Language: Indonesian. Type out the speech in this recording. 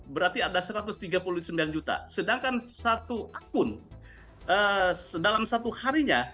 berarti ada satu ratus tiga puluh sembilan juta sedangkan satu akun dalam satu harinya